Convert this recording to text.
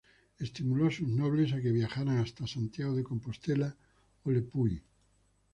Estimuló a sus nobles a que viajaran hasta Santiago de Compostela o Le Puy.